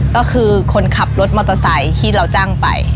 ก็คือคนขับรถมอเตอร์ไซค์ที่เราจ้างไป